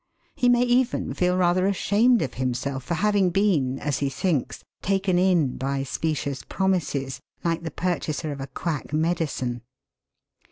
He may even feel rather ashamed of himself for having been, as he thinks, taken in by specious promises, like the purchaser of a quack medicine.